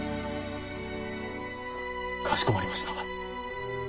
かしこまりました。